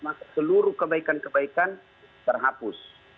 maka seluruh kebaikan kebaikan terhapus